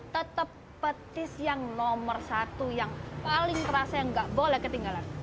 tetap petis yang nomor satu yang paling terasa yang nggak boleh ketinggalan